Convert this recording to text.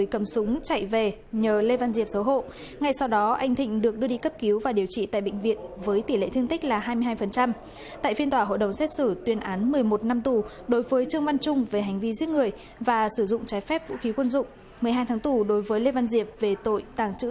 cảm ơn các bạn đã theo dõi và hẹn gặp lại